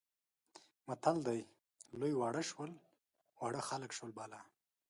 متل دی لوی واړه شول، واړه خلک شول بالا.